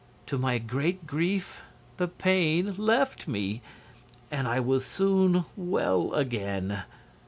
To my great grief the pain left me, and I was soon well again.